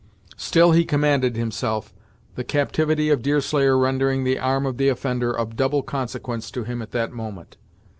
Still he commanded himself, the captivity of Deerslayer rendering the arm of the offender of double consequence to him at that moment.